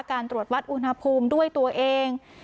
การตรวจวัดอุณหภูมิด้วยตัวเอง